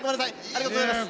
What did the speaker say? ありがとうございます。